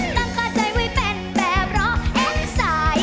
ตั้งกระใจไว้เป็นแบบรอเอ็ดสาย